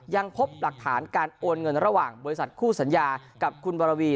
ยังพบหลักฐานการโอนเงินระหว่างบริษัทคู่สัญญากับคุณวรวี